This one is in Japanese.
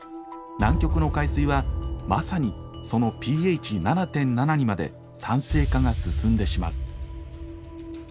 南極の海水はまさにそのｐＨ７．７にまで酸性化が進んでしまう。